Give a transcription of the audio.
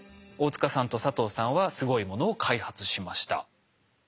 大塚さんと佐藤さんはすごいものを開発しました。